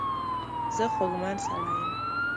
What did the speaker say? زه خوږمن سړی یم.